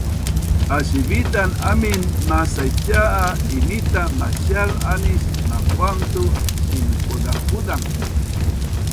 alsisivitan amin masaicia a imita masial anis makuang tu sinhuzanghuzang